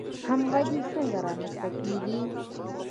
همغږي څنګه رامنځته کیږي؟